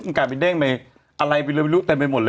มากออกไปเด้งอะไรไปเลยรู้ว่าจะเต็มไปหมดเลย